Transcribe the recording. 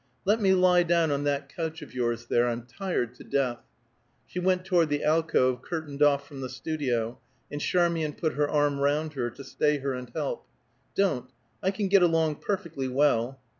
"Let me lie down on that couch of yours, there. I'm tired to death." She went toward the alcove curtained off from the studio, and Charmian put her arm round her to stay her and help. "Don't. I can get along perfectly well."